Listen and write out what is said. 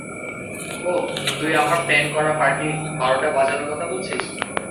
ওহ, তুই আমার প্ল্যান করা পার্টির বারোটা বাজানোর কথা বলছিস?